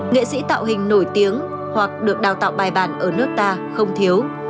nghệ sĩ tạo hình nổi tiếng hoặc được đào tạo bài bản ở nước ta không thiếu